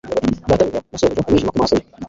databuja na shobuja, umwijima kumaso ye